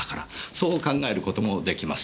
そう考える事もできます。